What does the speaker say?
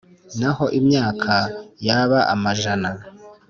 Naho imyaka yaba amajana